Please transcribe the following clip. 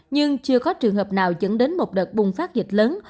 nhưng chưa có trường hợp nào dẫn đến một đợt bùng phát dịch lớn